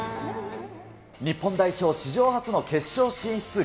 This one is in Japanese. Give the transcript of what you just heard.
日本代表史上初の決勝進出。